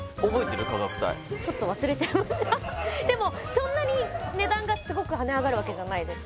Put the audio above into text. そんなに値段がすごく跳ね上がるわけじゃないです